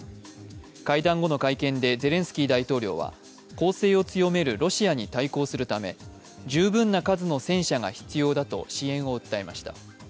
会談後の会見でゼレンスキー大統領は攻勢を強めるロシアに対抗するため、十分な数の戦車が必要だと支援を訴えました。